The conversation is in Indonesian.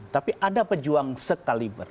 tapi ada pejuang sekaliber